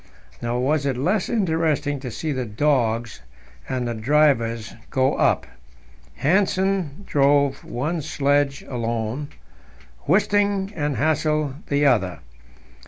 Nor was it less interesting to see the dogs and the drivers go up. Hanssen drove one sledge alone; Wisting and Hassel the other.